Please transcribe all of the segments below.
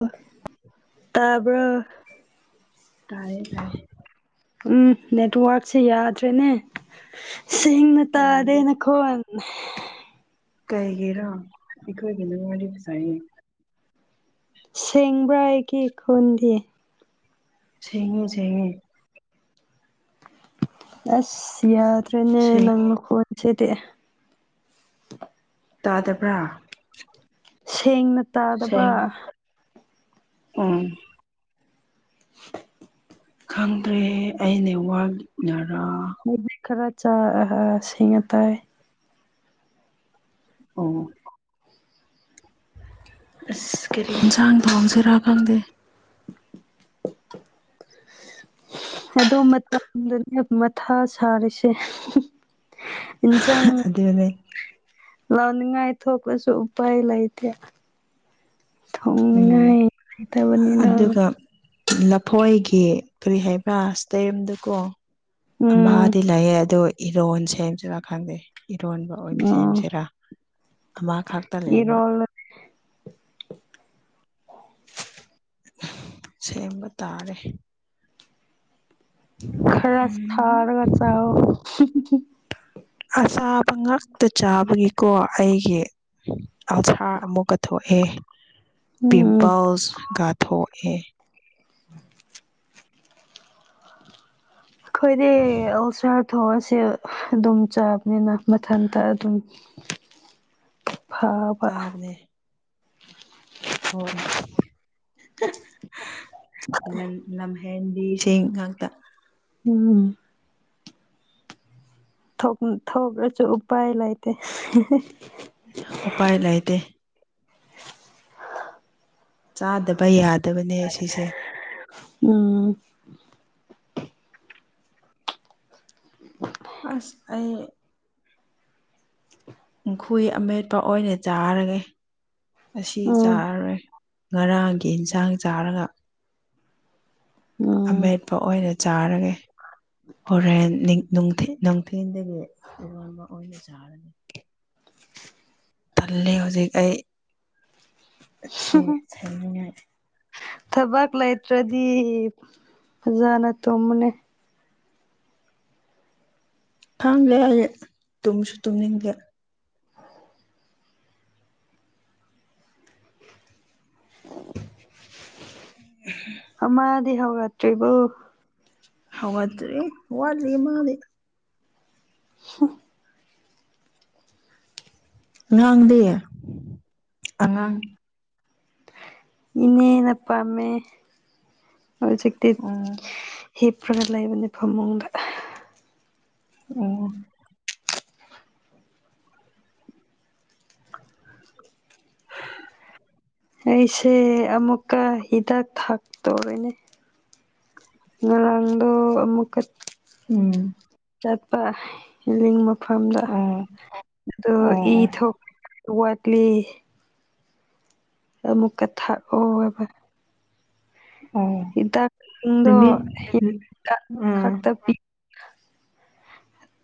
[unintelligible] [inaudible] ꯄꯥꯕꯥ? ꯇꯥꯏꯌꯦ ꯇꯥꯏꯌꯦ ꯎꯝ ꯅꯦꯠꯋꯥꯔꯛꯁꯦ ꯌꯥꯗ꯭ꯔꯦꯅꯦ ꯁꯤꯡ [unintelligible] ꯇꯥꯗꯦ ꯌꯥꯗꯦ ꯅꯈꯣꯟ ꯀꯩꯒꯤꯔꯣ ꯑꯩꯈꯣꯏꯒꯤ [unintelligible] ꯋꯥꯔꯤ ꯁꯥꯏꯌꯦ ꯁꯦꯡꯕ꯭ꯔꯥ ꯑꯩꯒꯤ ꯈꯣꯟꯗꯤ ꯁꯦꯡꯉꯦ ꯁꯦꯡꯉꯦ ꯑꯁ! ꯌꯥꯗ꯭ꯔꯦꯅꯦ ꯅꯪ ꯁꯦꯡꯉꯦ ꯅꯈꯣꯟꯁꯤꯗꯤ ꯇꯥꯗꯕ꯭ꯔꯥ? ꯁꯦꯡꯅ ꯇꯥꯗꯕ ꯎꯝII [unintelligible] ꯈꯪꯗ꯭ꯔꯦ ꯑꯩ ꯅꯦ ꯋꯥꯔꯛꯅꯔꯥ? ꯍꯧꯗꯤ [unintelligible] ꯈꯔ ꯆꯥ ꯑ ꯁꯤꯡꯉ ꯇꯥꯏ ꯑꯣ ꯑꯁ! ꯀꯔꯤ ꯢꯟꯁꯥꯡ ꯊꯣꯡꯁꯤꯔꯥ ꯈꯪꯗꯦII ꯑꯗꯣ ꯃꯇꯝ [unintelligible] ꯗꯨꯅꯦ ꯃꯊꯥ ꯁꯥꯔꯤꯁꯦ ꯏꯟꯖꯡ ꯑꯗꯨꯅꯦ [inaudible] ꯂꯥꯎꯅꯤꯡꯉꯥꯏ ꯊꯣꯛꯂꯁꯨ ꯎꯄꯥꯏ ꯂꯩꯇꯔꯦ ꯎꯝ ꯊꯣꯡꯅꯤꯡꯉꯥꯏ [inaudible] ꯂꯩꯇꯕꯅꯤꯅ ꯑꯗꯨꯒ ꯂꯐꯣꯏꯒꯤ ꯀꯔꯤ ꯍꯥꯏꯕ꯭ꯔꯥ ꯁ꯭ꯇꯦꯝꯗꯣꯀꯣ ꯎꯝ ꯑꯃꯥꯗꯤ ꯂꯩꯌꯦ ꯑꯗꯣ ꯏꯔꯣꯟ ꯁꯦꯝꯖꯤꯔ ꯈꯪꯗꯦII ꯏꯔꯣꯟꯕ ꯑꯣꯏꯅ ꯑꯣ ꯁꯦꯝꯁꯤꯔꯥ ꯑꯃꯈꯛꯇ ꯂꯩꯕ ꯏꯔꯣꯜꯂ [unintelligible] ꯁꯦꯝꯕ ꯇꯥꯔꯦ ꯈꯔ ꯎꯝ ꯊꯥꯔꯒ ꯆꯥꯎꯑꯣ ꯑꯁꯥꯕ ꯉꯥꯛꯇ ꯆꯥꯕꯒꯤꯀꯣ ꯑꯩꯒꯤ, ꯑꯜꯁꯥꯔ ꯑꯃꯨꯛꯀ ꯊꯣꯛꯑꯦ ꯍꯦ ꯎꯝ ꯄꯤꯝꯄꯜꯁ ꯒ ꯊꯣꯛꯑꯦ [unintelligible] ꯈꯣꯏꯗꯤ ꯑꯜꯁ꯭ꯔ ꯍꯣꯏꯁꯦ ꯑꯗꯨꯝ ꯆꯥꯕꯅꯤꯅꯥ ꯃꯊꯟꯇ ꯑꯗꯨꯝ ꯐꯥꯕ ꯆꯥꯕꯅꯦ ꯍꯣꯏ, ꯍ ꯂꯟ ꯂꯝꯍꯦꯟꯕꯤꯁꯤꯡ ꯉꯥꯛꯇ ꯎꯝꯝ ꯊꯣꯛꯅꯤꯪ ꯊꯣꯛꯂꯖꯨ ꯎꯄꯥꯏ ꯂꯩꯇꯦ ꯍꯦ ꯍꯦ ꯎꯄꯥꯏ ꯂꯩꯇꯦ ꯆꯥꯗꯕ ꯌꯥꯗꯕꯅꯦ ꯁꯤꯁꯦ ꯎꯝꯝ [inaudible] ꯑꯁ! ꯑꯩ ꯑꯩꯈꯣꯏ ꯑꯃꯦꯠꯄ ꯑꯣꯏꯅ ꯆꯥꯔꯒꯦ ꯑꯁꯤ ꯎꯝ ꯆꯥꯔꯔꯣꯏ ꯉꯔꯥꯡꯒꯤ ꯏꯟꯖꯥꯡ ꯆꯥꯔꯒ ꯎꯝ ꯑꯃꯦꯠꯄ ꯑꯣꯏꯅ ꯆꯥꯔꯒꯦ ꯍꯣꯔꯦꯟ ꯅꯤꯡ ꯅꯨꯡꯊꯤ ꯅꯨꯡꯊꯤꯟꯗꯒꯤ ꯏꯔꯣꯟꯕ ꯑꯣꯏꯅ ꯆꯥꯔꯒꯦ ꯇꯜꯂꯦ ꯍꯨꯖꯤꯛ ꯑꯩ ꯁꯤ ꯊꯦꯝꯅꯤꯉꯥꯏ ꯊꯕꯛ ꯂꯩꯇ꯭ꯔꯗꯤ ꯐꯖꯅ ꯇꯨꯝꯃꯨꯅꯦ ꯈꯪꯗꯦ ꯑꯩ ꯇꯨꯝꯁꯨ ꯇꯨꯝꯅꯤꯡꯗꯦ [inaudible] ꯑꯃꯥꯗꯤ ꯍꯧꯒꯠꯇ꯭ꯔꯤꯕ꯭ꯔꯣ ꯍꯧꯒꯠꯇ꯭ꯔꯤ ꯋꯥꯠꯂꯤ ꯃꯥꯗꯤ [inaudible] ꯉꯥꯡꯗꯤ ꯑꯉꯥꯡ ꯏꯅꯦꯅ ꯄꯝꯃꯦ ꯍꯧꯖꯤꯛꯇꯤ ꯑꯣ ꯍꯤꯞꯄ꯭ꯔꯒ ꯂꯩꯕꯅꯦ ꯐꯃꯨꯡꯗ ꯑꯣ ꯑꯩꯁꯦ ꯑꯃꯨꯛꯀ ꯍꯤꯗꯥꯛ ꯊꯛꯇꯣꯔꯤꯅꯤ ꯉꯔꯥꯡꯗꯣ ꯑꯃꯨꯛꯀ ꯎꯝ ꯆꯠꯄ ꯂꯤꯡ ꯃꯐꯝꯗ ꯑꯣ ꯑꯗꯣ ꯑꯣ ꯏ ꯑꯣ ꯊꯣꯛ ꯋꯥꯠꯂꯤ ꯑꯃꯨꯛꯀ ꯊꯛꯑꯣꯑꯕ ꯑꯣ ꯍꯤꯗꯥꯛꯁꯤꯡꯗꯣ ꯅꯨꯃꯤꯠ ꯍꯤꯗꯥꯛ ꯎꯝ ꯈꯛꯇ ꯄꯤ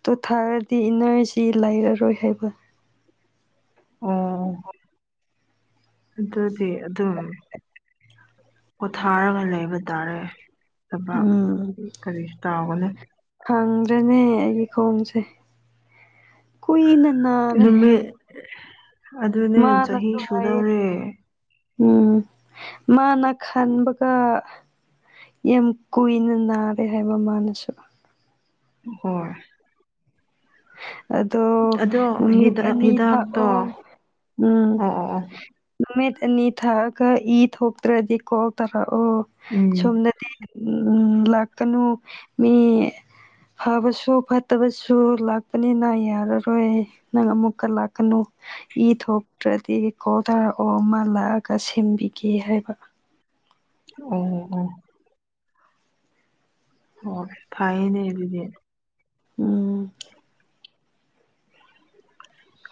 ꯇꯨ ꯊꯛꯔꯗꯤ ꯏꯅꯔꯖꯤ ꯂꯩꯔꯔꯣꯏ ꯍꯥꯏꯕ ꯑꯣ ꯑꯗꯨꯗꯤ ꯑꯗꯨꯝ ꯄꯣꯊꯥꯔꯒ ꯂꯩꯕ ꯇꯥꯔꯦ ꯊꯕꯥꯛ ꯀꯔꯤꯁꯨ ꯇꯥꯎꯒꯅꯨ ꯈꯪꯗ꯭ꯔꯦꯅꯦ ꯑꯩꯒꯤ ꯈꯣꯡꯁꯦ ꯀꯨꯏꯅ ꯅꯥꯔꯦ ꯅꯨꯃꯤꯠ ꯑꯗꯨꯅꯦ ꯆꯍꯤ ꯃꯥꯅꯁꯨ ꯍꯥꯏꯌꯦ ꯁꯨꯗꯧꯔꯦ ꯎꯝ ꯃꯥꯅ ꯈꯟꯕꯒ ꯌꯥꯝ ꯀꯨꯏꯅ ꯅꯥꯔꯦ ꯍꯥꯏꯕ ꯃꯥꯅꯁꯨ ꯍꯣꯏ ꯑꯗꯣ ꯑꯗꯣ ꯅꯨꯃꯤꯠ ꯍꯤꯗꯥꯛ ꯑꯅꯤ ꯍꯤꯗꯥꯛꯇꯣ ꯊꯛꯑꯣ ꯎꯝ ꯑꯣ ꯑꯣ ꯑꯣ ꯅꯨꯃꯤꯠ ꯑꯅꯤ ꯊꯛꯑꯒ ꯏ ꯊꯣꯛꯇ꯭ꯔꯗꯤꯀꯣ ꯇꯥꯔꯛꯑꯣ ꯎꯝ ꯁꯣꯝꯗꯗꯤ ꯎꯝ ꯎꯝ ꯂꯥꯛꯀꯅꯨ ꯃꯤ ꯐꯕꯁꯨ ꯐꯠꯇꯕꯁꯨ ꯂꯥꯛ ꯄꯅꯤꯅ ꯌꯥꯔꯔꯣꯏ ꯅꯪ ꯑꯃꯨꯛꯀ ꯂꯥꯛꯀꯅꯨ ꯏ ꯊꯣꯛꯇ꯭ꯔꯗꯤ ꯀꯣꯜ ꯇꯧꯔꯛꯑꯣ ꯃꯥ ꯂꯥꯛꯑꯒ ꯁꯤꯟꯕꯤꯒꯦ ꯍꯥꯏꯕ ꯑꯣ ꯑꯣ ꯑꯣ ꯑꯣ ꯐꯌꯦꯅꯦ ꯑꯗꯨꯗꯤ ꯎꯝ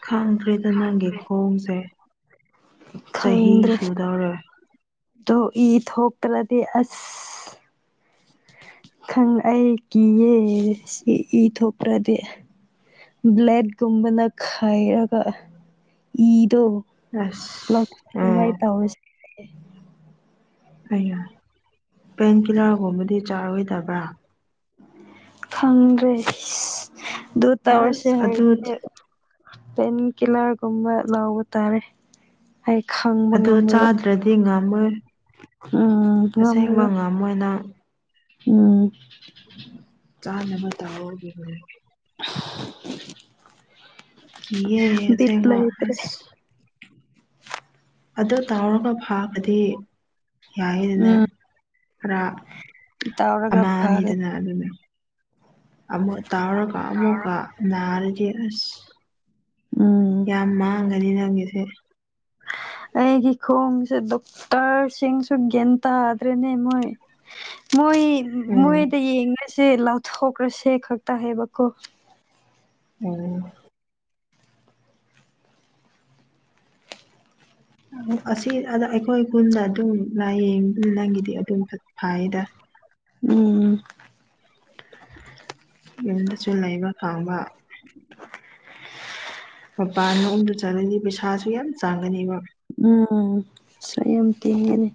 ꯈꯪꯗ꯭ꯔꯦꯗ ꯅꯪꯒꯤ ꯈꯣꯡꯁꯦ ꯆꯍꯤ ꯁꯨꯗꯧꯔꯦ ꯇꯣ ꯏ ꯊꯣꯛꯇ꯭ꯔꯗꯤ ꯑꯁ ꯈꯪ ꯑꯩ ꯀꯤꯌꯦ ꯁꯤ ꯏ ꯊꯣꯛꯇ꯭ꯔꯗꯤ ꯕ꯭ꯂꯦꯠꯒꯨꯝꯕꯅ ꯈꯥꯏꯔꯒ ꯏ ꯗꯣ ꯑꯁ ꯂꯧꯊꯣꯛꯅꯤꯉꯥꯏ ꯑꯦ ꯇꯧꯔꯁꯦ ꯍꯥꯏꯌꯦ ꯑꯩꯌꯥ ꯄꯦꯟ ꯀꯤꯂꯔꯒꯨꯝꯕꯗꯤ ꯆꯥꯔꯣꯏꯗꯕ꯭ꯔꯥ ꯈꯪꯗ꯭ꯔꯦ ꯑꯗꯨ ꯇꯧꯔꯁꯦ ꯑꯁ ꯑꯗꯨ ꯍꯧꯖꯤꯛꯁꯦ ꯄꯦꯟ ꯀꯤꯂꯔꯒꯨꯝꯕ ꯂꯧꯕ ꯇꯥꯔꯦ ꯑꯩ ꯈꯪꯕ ꯑꯗꯨ ꯉꯝꯃꯔꯣꯏ ꯆꯥꯗ꯭ꯔꯗꯤ ꯉꯝꯃꯣꯏ ꯎꯝ ꯑꯁꯦꯡꯕ ꯉꯝꯔꯔꯣꯏ ꯉꯝꯃꯣꯏ ꯅꯪ ꯎꯝ ꯆꯥꯅꯕ ꯇꯥꯑꯣ ꯑꯗꯨꯗꯤ ꯀꯤꯌꯦ ꯑ ꯕꯤꯠ ꯁꯦꯡꯕ ꯂꯩꯇ꯭ꯔꯦ ꯑꯁ ꯑꯗꯨ ꯇꯥꯎꯔꯒ ꯐꯥꯕꯗꯤ ꯌꯥꯔꯤꯗꯅ ꯎꯝ ꯈꯔ ꯇꯧꯔꯒ ꯑꯃ ꯐꯔꯦ ꯑꯅꯤꯗꯅ ꯑꯗꯨꯅꯦ ꯑꯃꯨꯛ ꯇꯥꯎꯔꯒ ꯑꯃꯨꯛꯀ ꯅꯥꯔꯗꯤ ꯑꯁ ꯎꯝ ꯌꯥꯝ ꯃꯥꯡꯒꯅꯤ ꯅꯪꯒꯤꯁꯦ ꯑꯩꯒꯤ ꯈꯣꯡꯁꯦ ꯗꯣꯛ ꯇꯔ ꯁꯤꯡꯁꯨ ꯒ꯭ꯌꯥꯟ ꯇꯥꯗ꯭ꯔꯦꯅꯦ ꯃꯣꯏ ꯃꯣꯏ ꯎꯝ ꯃꯣꯏꯗ ꯌꯦꯡꯉꯁꯦ ꯂꯥꯎꯊꯣꯛꯈ꯭ꯔꯁꯦ ꯈꯛꯇ ꯍꯥꯏꯕꯀꯣ ꯎꯝ ꯑꯁꯤ ꯑꯗ ꯑꯩꯈꯣꯏ ꯈꯨꯟꯗ ꯑꯗꯨꯝ ꯂꯥꯏꯌꯦꯡ ꯅꯪꯒꯤꯗꯤ ꯑꯗꯨꯝ ꯐꯩꯗ ꯎꯝ ꯌꯨꯝꯗꯁꯨ ꯂꯩꯕ ꯐꯪꯕ ꯃꯄꯥꯟ ꯂꯣꯝꯗ ꯆꯠꯂꯗꯤ ꯄꯩꯁꯥꯁꯨ ꯌꯥꯝ ꯆꯥꯡꯒꯅꯦꯕ ꯎꯝ ꯄꯩꯁꯥ ꯌꯥꯝ ꯇꯤꯡꯉꯤꯅꯦ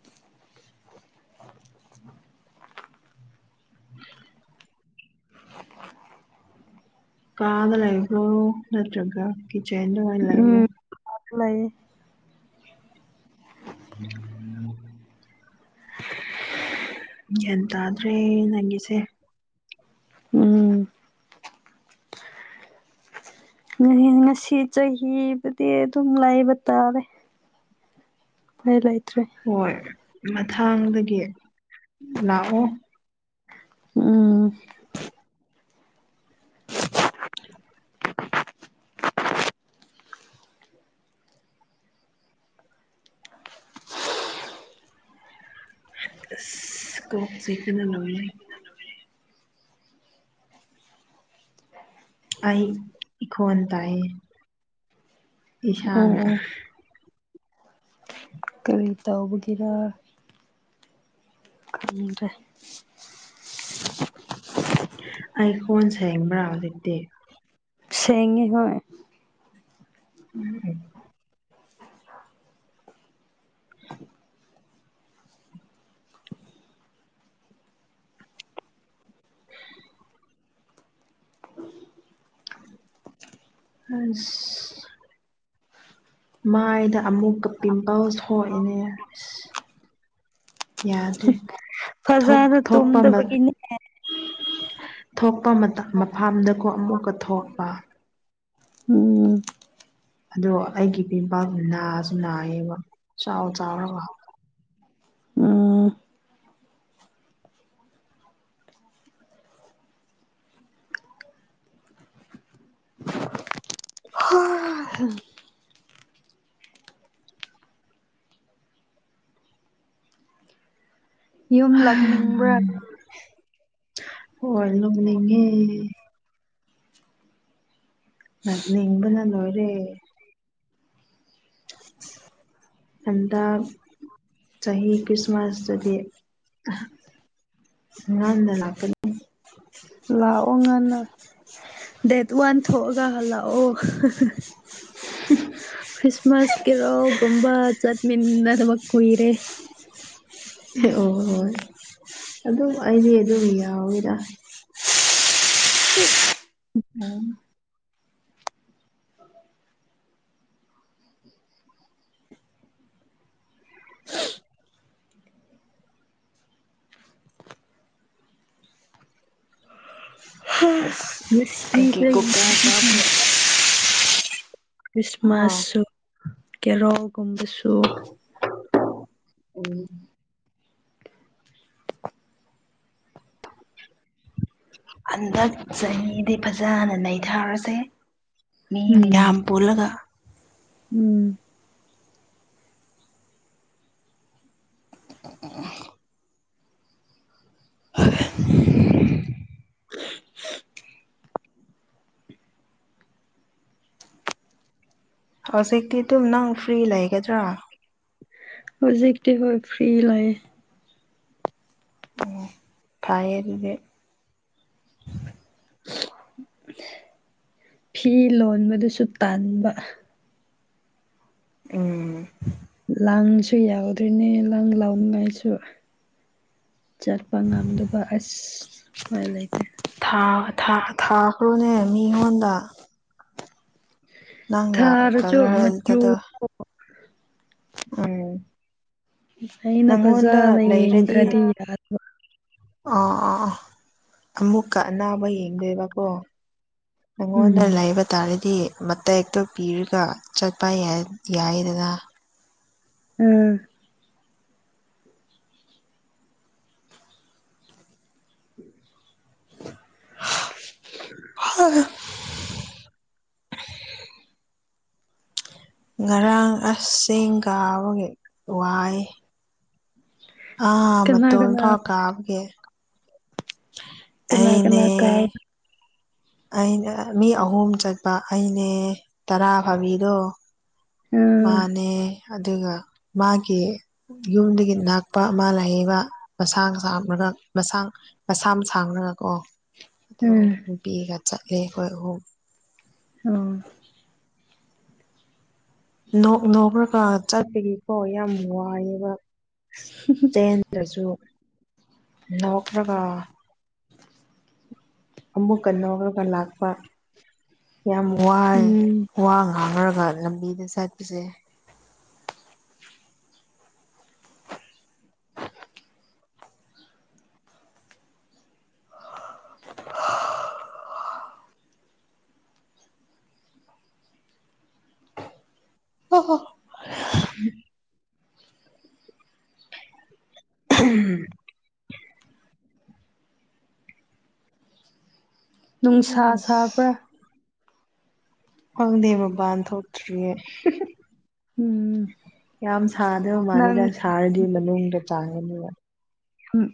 ꯀꯥꯗ ꯂꯩꯕꯔꯣ ꯅꯠꯇ꯭ꯔꯒ ꯀꯤꯆꯟꯗ ꯑꯣꯏ ꯂꯩꯕ꯭ꯔꯣ ꯀꯥꯗ ꯂꯩꯌꯦ [unintelligible] ꯒ꯭ꯌꯥꯟ ꯇꯥꯗ꯭ꯔꯦ ꯅꯪꯒꯤꯁꯦ ꯎꯝ ꯉꯆꯦꯟ ꯉꯁꯤ ꯆꯍꯤꯕꯨꯗꯤ ꯑꯗꯨꯝ ꯂꯩꯥꯕ ꯇꯥꯔꯦ ꯐꯥꯏ ꯂꯩꯇ꯭ꯔꯦ ꯍꯣꯏ ꯃꯊꯥꯡꯗꯒꯤ ꯂꯥꯛꯑꯣ ꯎꯝ [unintelligible] ꯑꯁ ꯀꯣꯛ ꯆꯤꯛꯄꯅ ꯂꯣꯏꯔꯦ ꯑꯩ ꯏꯈꯣꯟ ꯇꯥꯢꯌꯦ ꯏꯁꯥꯅ ꯎꯝ ꯀꯔꯤ ꯇꯧꯕꯒꯤꯔ ꯈꯪ꯭ꯗꯔꯦ ꯑꯩ ꯈꯣꯟꯁꯦꯡꯕ꯭ꯔꯥ ꯍꯧꯖꯤꯛꯇꯤ ꯁꯦꯡꯉꯦ ꯍꯣꯢ [unintelligible] [unintelligible] [unintelligible] ꯑꯁ ꯃꯥꯏꯗ ꯑꯃꯨꯛꯀ ꯄꯤꯝꯄꯜꯁ ꯊꯣꯛꯏꯅꯦ ꯑꯁ ꯌꯥꯗ꯭ꯔꯦ ꯊꯣꯛ ꯐꯖꯅ ꯊꯣꯛꯄꯃ ꯇꯨꯝꯗꯕꯒꯤꯅꯦ ꯊꯣꯛꯄ ꯃꯇꯝ ꯃꯐꯝꯗꯀꯣ ꯑꯃꯨꯛꯀ ꯊꯣꯛꯄ ꯎꯝ ꯑꯗꯣ ꯑꯩꯒꯤ ꯄꯤꯝꯄꯥꯜ ꯅꯥꯁꯨ ꯅꯥꯏꯌꯦꯕ ꯆꯥꯎ ꯆꯥꯎꯔꯒ ꯎꯝ ꯌꯨꯝ ꯍꯝ ꯂꯥꯛꯅꯤꯡꯕ꯭ꯔꯥ ꯍꯣꯢ ꯂꯨꯝꯅꯤꯡꯉꯦ ꯂꯥꯛꯅꯤꯡꯕꯅ ꯂꯣꯢꯔꯦ [inaudible] ꯍꯟꯗꯥꯛ ꯆꯍꯤ ꯀ꯭ꯔꯤꯁꯃꯥꯁꯇꯗꯤ ꯉꯟꯅ ꯂꯥꯛꯀꯅꯤ [inaudible] ꯂꯥꯛꯑꯣ ꯉꯟꯅ ꯗꯦꯠ ꯋꯥꯟ ꯊꯣꯛꯑꯒ ꯍꯜꯂꯛꯑꯣ ꯈ꯭ꯔꯤꯁꯃꯥꯁ ꯀꯤꯔꯣꯜꯒꯨꯝꯕ ꯆꯠꯃꯤꯟꯅꯗꯕ ꯀꯨꯏꯔꯦ ꯑꫭ ꯑꯗꯨꯝ ꯑꯩꯗꯤ ꯑꯗꯨꯝ ꯌꯥꯎꯋꯤꯗ ꯑꯣ [unintelligible] ꯑꯣ ꯍꯥ ꯑꯁ ꯑꯩꯒꯤ ꯉꯁꯤꯗꯒꯤ ꯀꯨꯀꯔ ꯀꯥꯞꯄ [unintelligible] ꯍꯥ ꯈ꯭ꯔꯤꯁꯃꯥꯁꯁꯨ ꯀꯦꯔꯣꯜꯒꯨꯝꯕꯁꯨ ꯎꯝ ꯍꯟꯗꯛ ꯆꯍꯤꯗꯤ ꯐꯖꯅ ꯅꯩꯊꯔꯁꯦ ꯃꯤ ꯎꯝ ꯃꯌꯥꯝ ꯄꯨꯜꯂꯒ ꯎꯝ [unintelligible] [unintelligible] ꯍꯧꯖꯤꯛꯇꯤ ꯇꯨꯝ ꯅꯪ ꯐ꯭ꯔꯤ ꯂꯩꯒꯗ꯭ꯔꯥ ꯍꯧꯖꯤꯛꯇꯤ ꯍꯣꯢ ꯐ꯭ꯔꯤ ꯂꯩꯌꯦ ꯑꫭ ꯐꯥꯏꯌꯦ ꯑꯗꯨꯗꯤ ꯐꯤ ꯂꯣꯟꯕꯗꯨꯁꯨ ꯇꯥꯟꯕ ꯎꯝ ꯂꯥꯡꯁꯨ ꯌꯥꯎꯗ꯭ꯔꯤꯅꯦ ꯂꯪ ꯂꯧꯅꯤꯡꯉꯥꯏꯁꯨ ꯆꯠꯄ ꯉꯝꯗꯕ ꯑꯁ ꯎꯄꯥꯢ ꯂꯩꯇꯦ ꯊꯥ ꯊꯥ ꯊꯥꯈ꯭ꯔꯣꯅꯦ ꯃꯤꯉꯣꯟꯗ ꯅꯪꯅ ꯊꯥꯔꯁꯨ ꯀꯜꯂꯔ ꯃꯆꯨ ꯗꯗꯣ ꯎꯝ ꯑꯩꯅ ꯅꯪꯉꯣꯟꯗ ꯐꯖꯅ ꯂꯩꯔꯗꯤ ꯌꯦꯡꯗ꯭ꯔꯗꯤ ꯌꯥꯗꯕ ꯑꯥ ꯑꯥ ꯑꯥ ꯑꯃꯨꯛꯀ ꯑꯅꯥꯕ ꯌꯦꯡꯗꯣꯏꯕꯀꯣ ꯅꯪꯉꯣꯟꯗ ꯎꯝ ꯂꯩꯕ ꯇꯥꯔꯗꯤ ꯃꯇꯦꯛꯇꯣ ꯄꯤꯔꯒ ꯆꯠꯄ ꯌꯥꯢ ꯌꯥꯏꯗꯅ ꯎꯝ [inaudible] [inaudible] ꯍ [inaudible] ꯉꯔꯥꯡ ꯑꯁ ꯆꯤꯡ ꯀꯥꯕꯒꯤ ꯋꯥꯏꯌꯦ ꯑꯥ ꯀꯅꯥ ꯃꯇꯣꯟ ꯀꯅꯥ ꯐꯥꯎ ꯀꯥꯕꯒꯤ ꯀꯅꯥ ꯀꯅꯥ ꯑꯩꯅꯦ ꯀꯥꯏ ꯑꯩꯅ ꯃꯤ ꯑꯍꯨꯝ ꯆꯠꯄ ꯑꯩꯅꯦ ꯇꯔꯥ ꯐꯥꯕꯤꯗꯣ ꯑꯥ ꯃꯥꯅꯦ ꯑꯗꯨꯒ ꯃꯥꯒꯤ ꯌꯨꯝꯗꯒꯤ ꯅꯥꯛꯄ ꯑꯃ ꯂꯩꯌꯦꯕ ꯃꯁꯥꯡ ꯁꯥꯝꯔꯒ ꯃꯁꯥꯡ ꯃꯁꯥꯝ ꯁꯥꯡꯔꯒꯀꯣ ꯑꯗꯣ ꯑꯥ ꯅꯨꯄꯤꯒ ꯆꯠꯂꯦ ꯑꯈꯣꯏ ꯑꯍꯨꯝ ꯑꯣ ꯅꯣꯛ ꯅꯣꯛꯔꯒ ꯆꯠꯄꯒꯤ ꯀꫭ ꯌꯥꯝ ꯋꯥꯏꯌꯦꯕ ꯆꯦꯟꯗ꯭ꯔꯖꯨ ꯅꯣꯛ ꯈ꯭ꯔꯕ ꯑꯃꯨꯛꯀ ꯅꯧꯔꯒ ꯂꯥꯛꯄ ꯌꯥꯝ ꯋꯥꯏ ꯎꯝ ꯋꯥ ꯉꯥꯡꯔꯒ ꯂꯝꯕꯤꯗ ꯆꯠꯄꯁꯦ ꯍꯣ ꯍꯣ [inaudible] [inaudible] ꯅꯨꯡꯁꯥ ꯁꯥꯕ꯭ꯔꯥ ꯈꯪꯗꯦ ꯃꯄꯥꯟ ꯊꯣꯛꯇ꯭ꯔꯤꯌꯦ ꯎꯝ ꯌꯥꯝ ꯁꯥꯗꯕ ꯅꯪ ꯃꯥꯜꯂꯤꯗ ꯁꯥꯔꯗꯤ ꯃꯅꯨꯡꯗ ꯆꯥꯡꯉꯅꯤꯕ